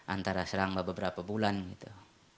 antara serangga beberapa bulan gitu